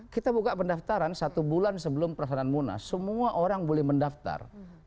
kita buka pendaftaran satu bulan sebelum perasaan munas semua orang boleh mendaftar